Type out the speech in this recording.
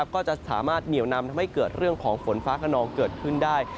ก็จะสามารถเหนียวนำทำให้เกิดเรื่องของฝนฟ้าขนองเกิดขึ้นได้